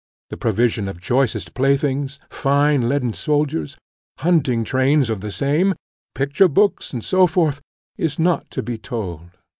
The provision of choicest playthings, fine leaden soldiers, hunting trains of the same, picture books, &c. is not to be told.